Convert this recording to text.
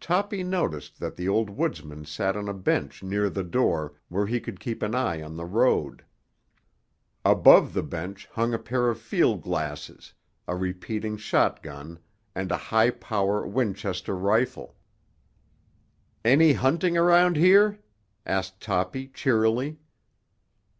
Toppy noticed that the old woodsman sat on a bench near the door where he could keep an eye on the road. Above the bench hung a pair of field glasses, a repeating shotgun and a high power Winchester rifle. "Any hunting around here?" asked Toppy cheerily.